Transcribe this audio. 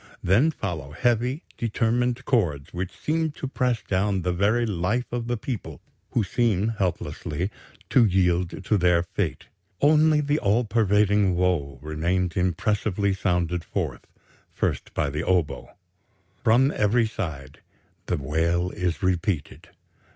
Then follow heavy, determined chords, which seem to press down the very life of the people, who seem helplessly ... to yield to their fate. Only the all pervading woe remains impressively sounded forth, first by the oboe.... From every side the wail is repeated